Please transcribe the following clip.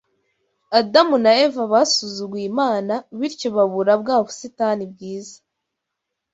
Adamu na Eva basuzuguye Imana bityo babura bwa busitani bwiza